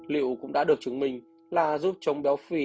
liệu cũng đã được chứng minh là giúp chống béo phì